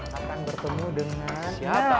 sampai bertemu dengan